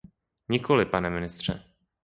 Nikoli, pane ministře.